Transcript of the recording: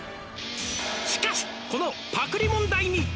「しかしこのパクリ問題に」